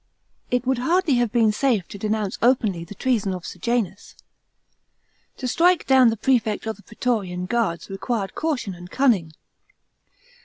It would hardly have been safe to denounce openly the treason of Sejanus. To strike down the prefect of the prastorian guards required caution and cunning.